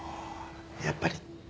やっぱり？